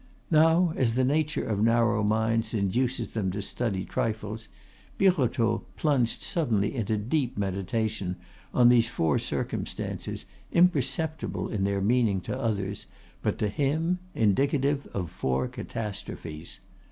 Now, as the nature of narrow minds induces them to study trifles, Birotteau plunged suddenly into deep meditation on these four circumstances, imperceptible in their meaning to others, but to him indicative of four catastrophes.